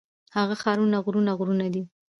هغه ښارونه غرونه غرونه دي.